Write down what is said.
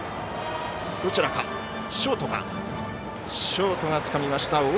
ショートがつかみました。